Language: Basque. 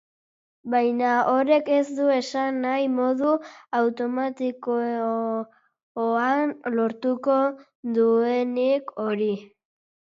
Baina horrek ez du esan nahi modu automatikoan lortuko duenik hori.